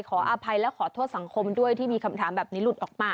ขออภัยและขอโทษสังคมด้วยที่มีคำถามแบบนี้หลุดออกมา